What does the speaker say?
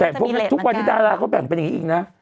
แต่พวกทุกวันนี้ดาราเขาแบ่งเป็นอย่างนี้อีกนะ